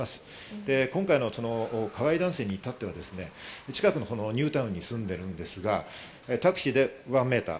で、今回の加害男性にいたっては近くのニュータウンに住んでいるんですが、タクシーでワンメーター。